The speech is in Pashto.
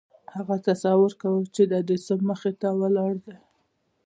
هغه تصور کاوه چې د ايډېسن مخې ته ولاړ دی.